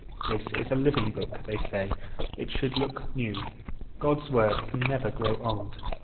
'This is a living Book,' they say; 'it should look new. God's Word can never grow old.'